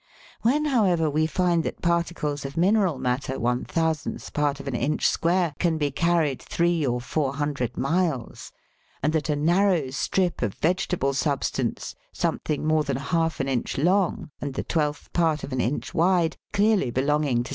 When, however, we find that particles of mineral matter DIATOMS FROM SOUTH AMERICA. 15 one thousandth part of an inch square can be carried three or four hundred miles, and that a narrow strip of vegetable substance something more than half an inch long, and the twelfth part of an inch wide, clearly belonging to some Fig.